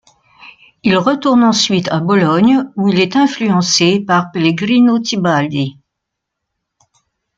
Il retourne ensuite à Bologne où il est influencé par Pellegrino Tibaldi.